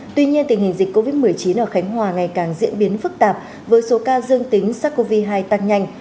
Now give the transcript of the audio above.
tuy nhiên tình hình dịch covid một mươi chín ở khánh hòa ngày càng diễn biến phức tạp với số ca dương tính sars cov hai tăng nhanh